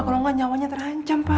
kalau nggak nyawanya terancam pak